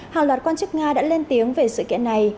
hàng loạt quan chức nga đã lên tiếng về sự kiện này